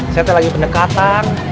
saya tadi lagi pendekatan